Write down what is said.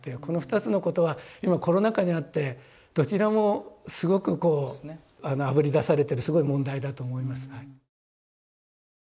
この二つのことは今コロナ禍にあってどちらもすごくこうあぶり出されてるすごい問題だと思います。